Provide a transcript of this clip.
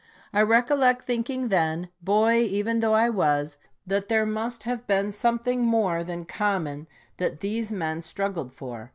I recollect thinking then, boy even though I was, that there must have been something more than common that these men struggled for.